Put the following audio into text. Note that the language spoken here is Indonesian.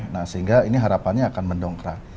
nah sehingga ini harapannya akan mendongkrak